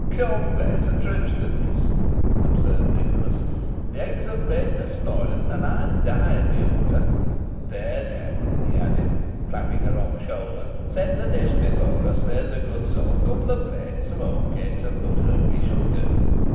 "Come, Bess, a truce to this," observed Nicholas; "the eggs and bacon are spoiling, and I'm dying with hunger. There there," he added, clapping her on the shoulder, "set the dish before us, that's a good soul a couple of plates, some oatcakes and butter, and we shall do."